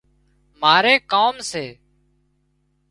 ماري ڪام سي